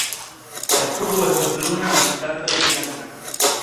La pugo estas bruna anstataŭ blanka.